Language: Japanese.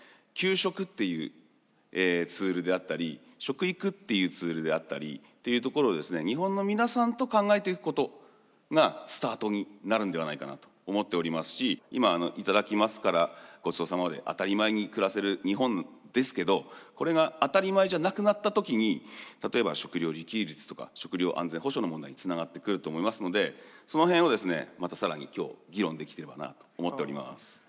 給食っていうツールであったり食育っていうツールであったりっていうところをですね日本の皆さんと考えていくことがスタートになるんではないかなと思っておりますし今「いただきます」から「ごちそうさま」まで当たり前に暮らせる日本ですけどこれが当たり前じゃなくなった時に例えば食料自給率とか食料安全保障の問題につながってくると思いますのでその辺をですねまた更に今日議論できてればなと思っております。